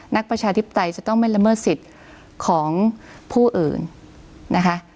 ประชาธิปไตยจะต้องไม่ละเมิดสิทธิ์ของผู้อื่นนะคะ